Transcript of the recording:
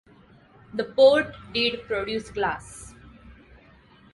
The port did produce glass.